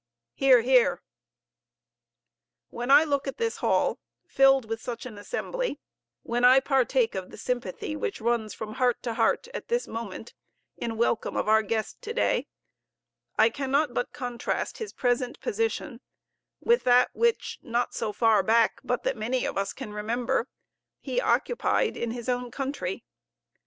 (Hear, hear.) When I look at this hall, filled with such an assembly; when I partake of the sympathy which runs from heart to heart at this moment in welcome to our guest of to day, I cannot but contrast his present position with that which, not so far back but that many of us can remember, he occupied in his own country.